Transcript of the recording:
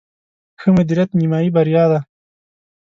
ښه مدیریت، نیمایي بریا ده